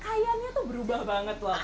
kayaknya tuh berubah banget loh